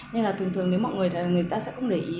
nên là thường thường nếu mọi người thấy người ta sẽ không để ý